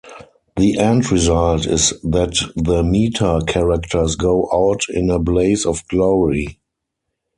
The end result is that the meta-characters go out in a blaze of glory.